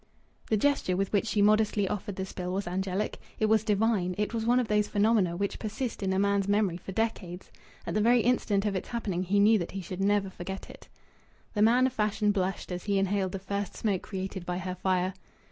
The gesture with which she modestly offered the spill was angelic; it was divine; it was one of those phenomena which persist in a man's memory for decades. At the very instant of its happening he knew that he should never forget it. The man of fashion blushed as he inhaled the first smoke created by her fire.